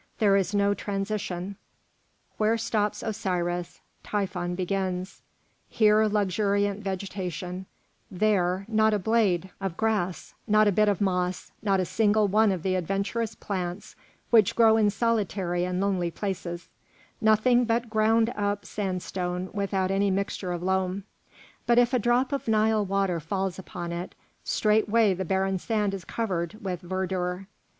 There is no transition; where stops Osiris, Typhon begins; here luxuriant vegetation, there not a blade of grass, not a bit of moss, not a single one of the adventurous plants which grow in solitary and lonely places, nothing but ground up sandstone without any mixture of loam. But if a drop of Nile water falls upon it, straightway the barren sand is covered with verdure.